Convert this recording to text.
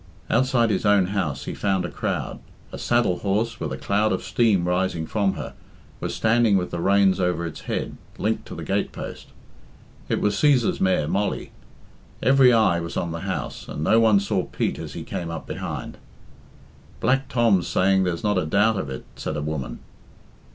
Outside his own house he found a crowd. A saddle horse, with a cloud of steam rising from her, was standing with the reins over its head, linked to the gate post. It was Cæsar's mare, Molly. Every eye was on the house, and no one saw Pete as he came up behind. "Black Tom's saying there's not a doubt of it," said a woman.